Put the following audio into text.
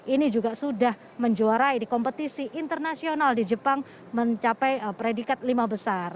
ini juga sudah menjuarai di kompetisi internasional di jepang mencapai predikat lima besar